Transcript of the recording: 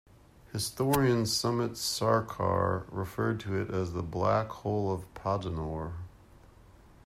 Historian Sumit Sarkar referred to it as the "Black Hole of Podanur".